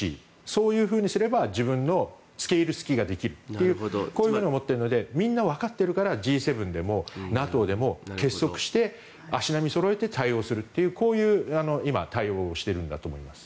そういうふうにすれば自分の付け入る隙ができるとこう思っているのでみんな、わかっているからＧ７でもＮＡＴＯでも結束して足並みをそろえて対応するというこういう今、対応をしているんだと思います。